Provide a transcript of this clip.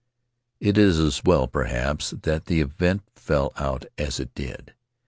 It is as well, perhaps, that the event fell out as it did.